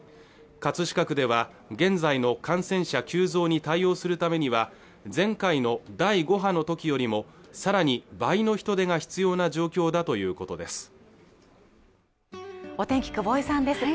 葛飾区では現在の感染者急増に対応するためには前回の第５波のときよりもさらに倍の人手が必要な状況だということです